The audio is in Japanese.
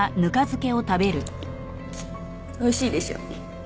おいしいでしょう？